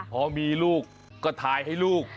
พอมีลูกก็ถ่ายให้ลูก